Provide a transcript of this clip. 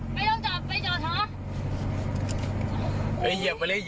ไปโรงพักเลย